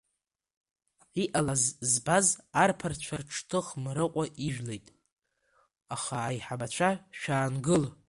Иҟалаз збаз арԥарцәа рҽҭых Мрыҟәа ижәлеит, аха аиҳабацәа шәаангыл!